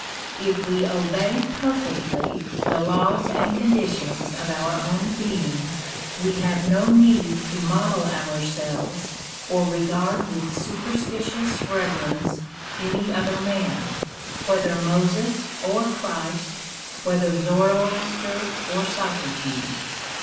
If we obey perfectly the laws and conditions of our own being we have no need to model ourselves or regard with superstitious reverence any other man, whether Moses or Christ, whether Zoroaster or Socrates.